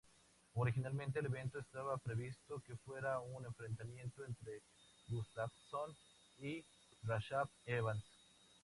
Originalmente, el evento estaba previsto que fuera un enfrentamiento entre Gustafsson y Rashad Evans.